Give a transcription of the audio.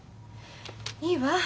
いいわ。